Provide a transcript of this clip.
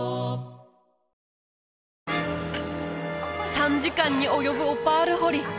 ３時間に及ぶオパール掘り